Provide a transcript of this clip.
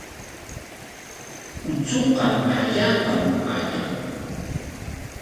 Uchuqa allaapam ayan.